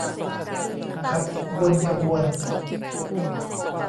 ขับวนขบวน